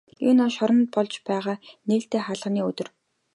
Энэ бол шоронд болж байгаа нээлттэй хаалганы өдөр.